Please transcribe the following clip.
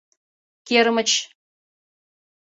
КЕРМЫЧ